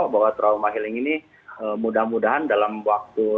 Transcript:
bahwa trauma healing ini mudah mudahan dalam waktu